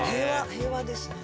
平和ですね。